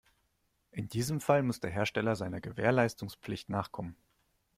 In diesem Fall muss der Hersteller seiner Gewährleistungspflicht nachkommen.